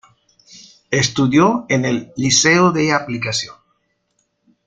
Estudió en el Liceo de Aplicación.